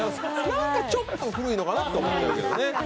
なんかちょっと古いのかなと思っちゃうけどね。